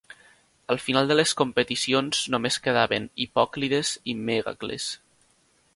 Al final de les competicions, només quedaven Hipòclides i Mègacles.